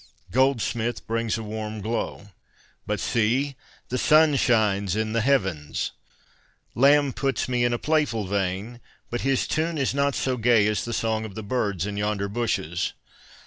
Goldsmith brings a warm glow, but see ! the sun shines in the heavens. Lamb puts me in playful vein, but his tune is not so gay as the song of the birds in yonder bushes.